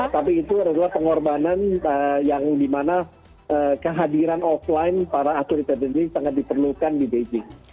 tapi itu adalah pengorbanan yang dimana kehadiran offline para atlet atlet ini sangat diperlukan di beijing